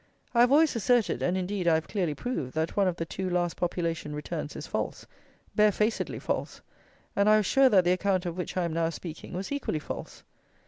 I have always asserted, and, indeed, I have clearly proved, that one of the two last population returns is false, barefacedly false; and I was sure that the account of which I am now speaking was equally false.